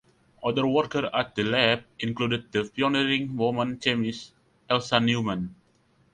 Other workers at the lab included the pioneering woman chemist Elsa Neumann.